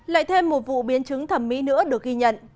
lại thêm một vụ biến chứng thẩm mỹ nữa được ghi nhận